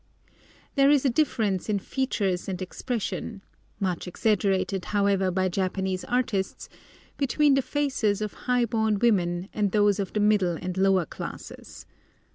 There is a difference in features and expression—much exaggerated, however, by Japanese artists—between the faces of high born women and those of the middle and lower classes.